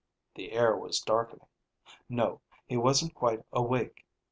The air was darkening. No, he wasn't quite awake.